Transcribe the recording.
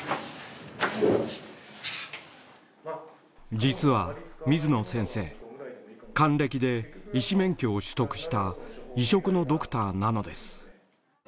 実は水野先生還暦で医師免許を取得した異色のドクターなのです。